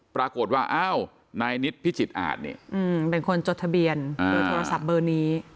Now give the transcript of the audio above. ปรากฏว่าอ้าวนายนิดพิจิตอาจเนี่ยเป็นคนจดทะเบียนเบอร์โทรศัพท์เบอร์นี้